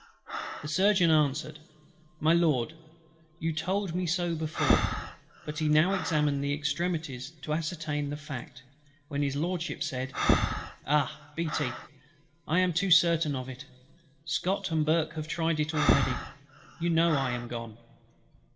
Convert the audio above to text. The Surgeon answered, "My Lord, you told me so before:" but he now examined the extremities, to ascertain the fact; when HIS LORDSHIP said, "Ah, BEATTY! I am too certain of it: SCOTT and BURKE have tried it already. You know I am gone."